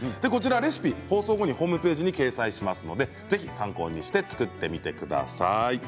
レシピは放送後にホームページに掲載しますのでぜひ参考にして作ってみてください。